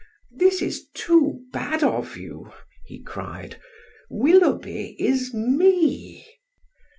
"This is too bad of you," he cried. "Willoughby is me!"